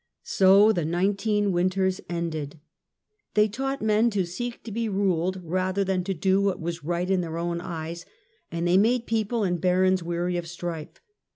So the "nineteen winters" ended. They taught men to seek to be ruled rather than to do what was right in their own eyes, and they made people and barons weary of strife.